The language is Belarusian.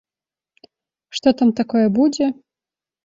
Што там такое будзе?